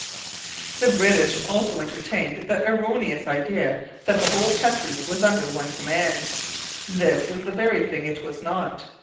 The British also entertained the erroneous idea that 'the whole country was under one command.' This was the very thing it was not.